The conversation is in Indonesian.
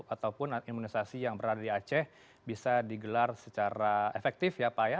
ataupun imunisasi yang berada di aceh bisa digelar secara efektif ya pak ya